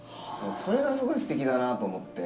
それがすごいすてきだなと思って。